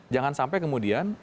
jangan sampai kemudian